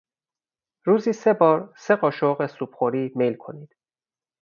روزی سه بار سه قاشق سوپ خوری میل کنید.